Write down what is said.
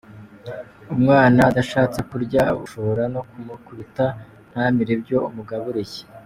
Umwana adashatse kurya ushobora no kumukubita ntamire ibyo umugaburiye.